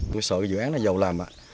tôi sợ dự án này giàu làm ạ